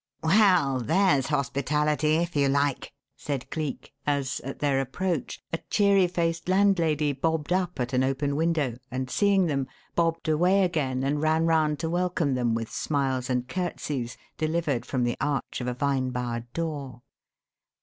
"Well, there's hospitality if you like," said Cleek, as, at their approach, a cheery faced landlady bobbed up at an open window and, seeing them, bobbed away again and ran round to welcome them with smiles and curtseys delivered from the arch of a vine bowered door.